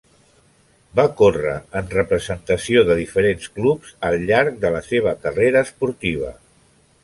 Va córrer en representació de diferents clubs al llarg de la seva carrera esportiva.